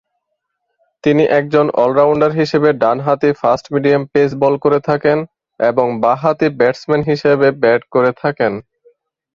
তিনি একজন অল-রাউন্ডার হিসেবে ডান-হাতি ফাস্ট-মিডিয়াম পেস বল করে থাকেন এবং বা-হাতি ব্যাটসম্যান হিসেবে ব্যাট করে থাকেন।